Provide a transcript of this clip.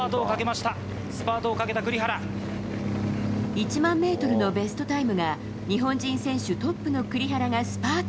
１００００ｍのベストタイムが日本人選手トップの栗原がスパート。